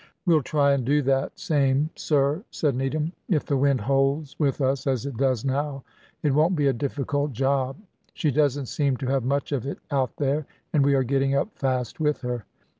"We'll try and do that same, sir," said Needham; "if the wind holds with us as it does now, it won't be a difficult job. She doesn't seem to have much of it out there, and we are getting up fast with her."